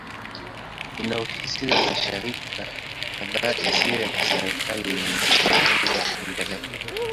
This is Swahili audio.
Ina ofisi za mashirika kadhaa yasiyo ya kiserikali yenye malengo ya maendeleo.